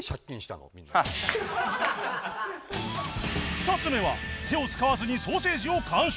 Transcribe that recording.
２つ目は手を使わずにソーセージを完食